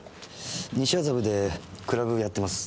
西麻布でクラブやってます。